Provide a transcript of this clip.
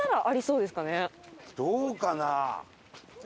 どうかな？